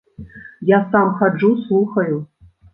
Я сам хаджу, слухаю.